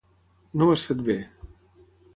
No ho has fet bé.